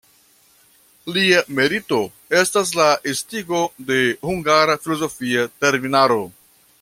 Lia merito estas la estigo de hungara filozofia terminaro.